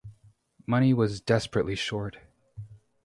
Money was desperately short.